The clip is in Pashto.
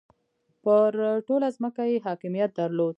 پر ټوله ځمکه یې حاکمیت درلود.